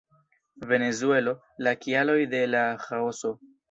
Venezuelo, la kialoj de la ĥaoso.